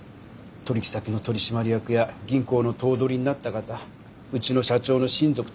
取引先の取締役や銀行の頭取になった方うちの社長の親族とか。